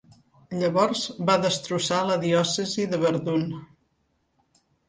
Llavors va destrossar la diòcesi de Verdun.